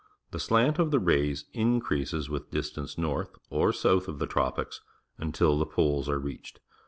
The slant of the rays increases with distance north or south of the tropics until the poles are reached.